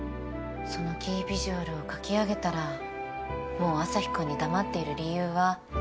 そのキービジュアルを描き上げたらもうアサヒくんに黙っている理由は。